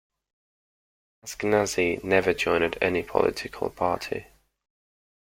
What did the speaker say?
Askenazy never joined any political party.